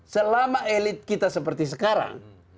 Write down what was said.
selama elit kita seperti sekarang